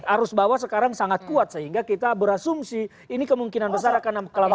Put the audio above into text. arus bawah sekarang sangat kuat sehingga kita berasumsi ini kemungkinan besar akan kelambatan